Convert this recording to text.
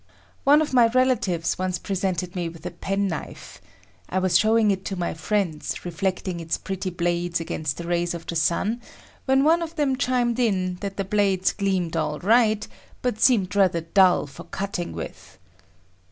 One of my relatives once presented me with a pen knife. I was showing it to my friends, reflecting its pretty blades against the rays of the sun, when one of them chimed in that the blades gleamed all right, but seemed rather dull for cutting with.